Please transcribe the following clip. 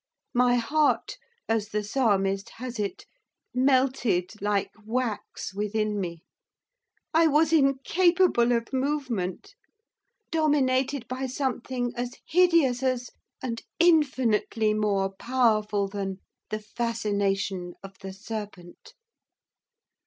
My heart, as the Psalmist has it, melted like wax within me. I was incapable of movement, dominated by something as hideous as, and infinitely more powerful than, the fascination of the serpent.